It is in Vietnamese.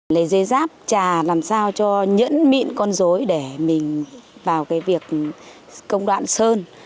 lấy dây ráp trà làm sao cho nhẫn mịn con dối để mình vào cái việc công đoạn sơn